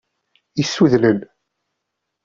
Issudnen!